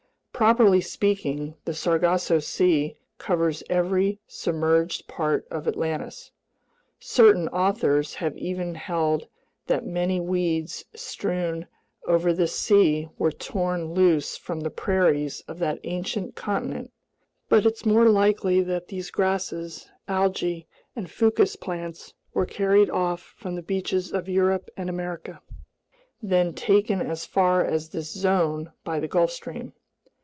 Properly speaking, the Sargasso Sea covers every submerged part of Atlantis. Certain authors have even held that the many weeds strewn over this sea were torn loose from the prairies of that ancient continent. But it's more likely that these grasses, algae, and fucus plants were carried off from the beaches of Europe and America, then taken as far as this zone by the Gulf Stream.